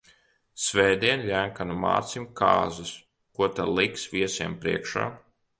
Svētdien Ļenkanu Mārcim kāzas, ko ta liks viesiem priekšā?